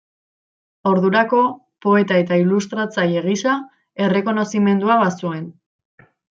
Ordurako poeta eta ilustratzaile gisa errekonozimendua bazuen.